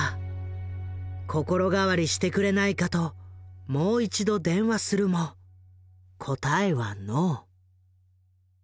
心変わりしてくれないかともう一度電話するも答えはノー。